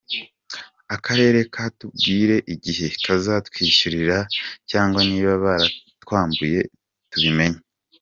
Akarere katubwire igihe kazatwishyurira cyangwa niba baratwambuye tubimenye.